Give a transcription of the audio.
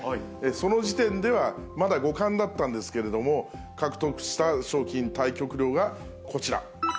その時点では、まだ五冠だったんですけど、獲得した賞金・対局料はこちら。